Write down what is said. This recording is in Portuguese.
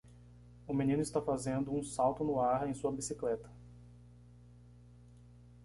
O menino está fazendo um salto no ar em sua bicicleta.